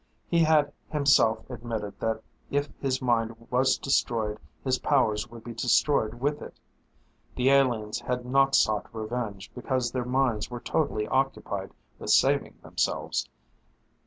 He had himself admitted that if his mind was destroyed his powers would be destroyed with it. The aliens had not sought revenge because their minds were totally occupied with saving themselves.